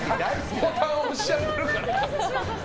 ボタン押しちゃってるから。